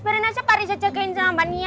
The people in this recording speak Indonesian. berin aja pak riza jagain sama mbak nia